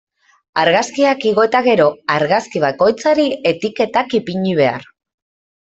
Argazkiak igo eta gero, argazki bakoitzari etiketak ipini behar.